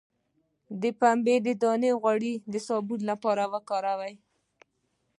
د پنبې دانه غوړي د صابون لپاره وکاروئ